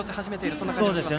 そんな感じがしますが。